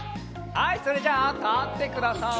はいそれじゃあたってください！